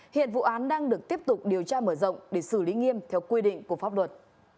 hiện vụ án đang được tiếp tục điều tra mở rộng để xử lý nghiêm theo quy định của pháp luật